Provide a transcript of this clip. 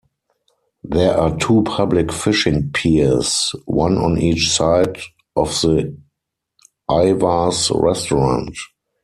There are two public fishing piers, one on each side of the Ivar's restaurant.